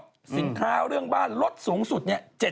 สินค้าเรื่องบ้านรถสูงสุด๗๐